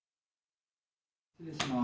失礼します。